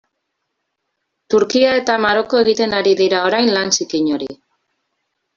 Turkia eta Maroko egiten ari dira orain lan zikin hori.